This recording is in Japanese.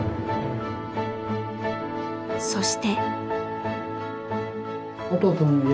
そして。